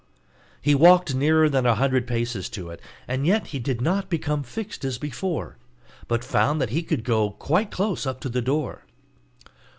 He walked nearer than a hundred paces to it, and yet he did not become fixed as before, but found that he could go quite close up to the door.